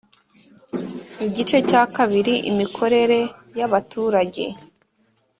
Igice cya kabiri Imikorere ya baturage